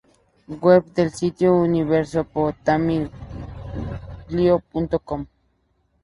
Web del castillo: universopittamiglio.com